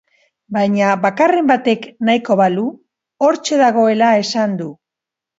Baina bakarren batek nahiko balu, hortxe dagoela esan du.